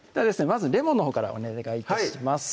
まずレモンのほうからお願い致します